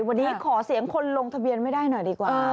วันนี้ขอเสียงคนลงทะเบียนไม่ได้หน่อยดีกว่า